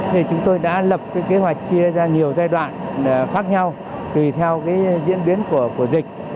thì chúng tôi đã lập kế hoạch chia ra nhiều giai đoạn khác nhau tùy theo cái diễn biến của dịch